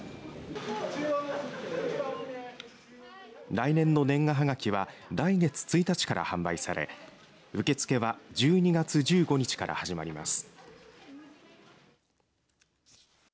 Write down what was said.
来年の年賀はがきは来月１日から販売され受け付けは１２月１５日から始まります。